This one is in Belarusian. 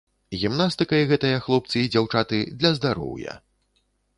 Гімнастыкай гэтыя хлопцы і дзяўчаты для здароўя.